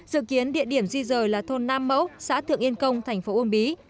dự kiến địa điểm di rời là thôn nam mẫu xã thượng yên công tp uông bí